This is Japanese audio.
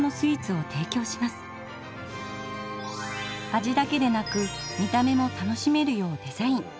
味だけでなく見た目も楽しめるようデザイン。